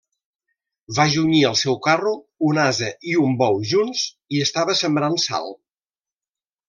Va junyir al seu carro un ase i un bou junts i estava sembrant sal.